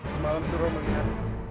semalam suruh melihat